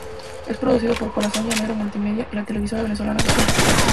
Es producido por Corazón Llanero Multimedia y la Televisora Venezolana Social.